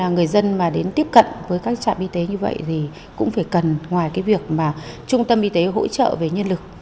người dân mà đến tiếp cận với các trạm y tế như vậy thì cũng phải cần ngoài cái việc mà trung tâm y tế hỗ trợ về nhân lực